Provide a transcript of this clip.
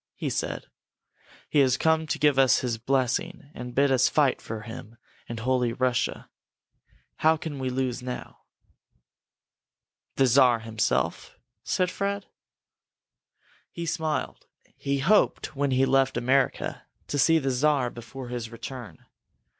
he said. "He has come to give us his blessing and bid us fight for him and Holy Russia! How can we lose now?" "The Czar himself?" said Fred. He smiled. He had hoped, when he left America, to see the Czar before his return.